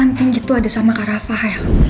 anting gitu ada sama kak rafael